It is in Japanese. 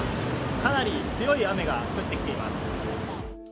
かなり強い雨が降ってきています。